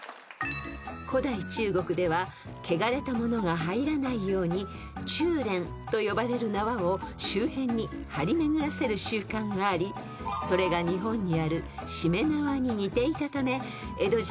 ［古代中国では汚れたものが入らないように注連と呼ばれる縄を周辺に張り巡らせる習慣がありそれが日本にある］